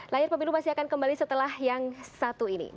layar pemilu masih akan kembali setelah yang satu ini